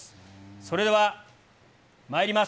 それではまいります。